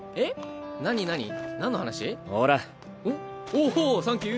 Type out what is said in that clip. おおサンキュー。